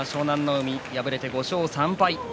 海敗れて５勝３敗。